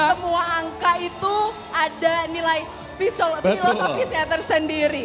yang pertama itu ada nilai filosofisnya tersendiri